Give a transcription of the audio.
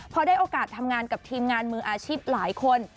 พอได้โอกาสทำงานกับทีมงานมืออาชีพหลายคน